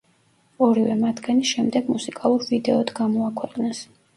ორივე მათგანი შემდეგ მუსიკალურ ვიდეოდ გამოაქვეყნეს.